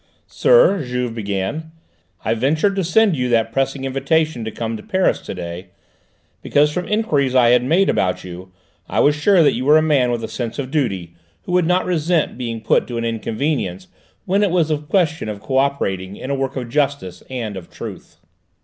"Sir," Juve began, "I ventured to send you that pressing invitation to come to Paris to day, because from enquiries I had made about you, I was sure that you were a man with a sense of duty, who would not resent being put to inconvenience when it was a question of co operating in a work of justice and of truth."